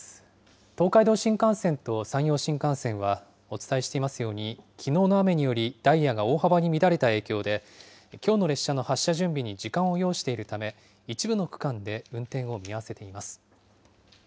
東海道新幹線と山陽新幹線は、お伝えしていますように、きのうの雨により、ダイヤが大幅に乱れた影響で、きょうの列車の発車準備に時間を要しているため、一部の区間で運転を見合わせています。